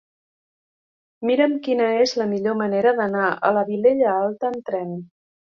Mira'm quina és la millor manera d'anar a la Vilella Alta amb tren.